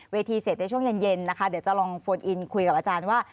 เสร็จในช่วงเย็นนะคะเดี๋ยวจะลองโฟนอินคุยกับอาจารย์ว่า